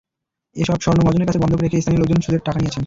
এসব স্বর্ণ মহাজনের কাছে বন্ধক রেখে স্থানীয় লোকজন সুদে টাকা নিয়েছেন।